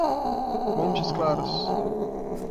Montes Claros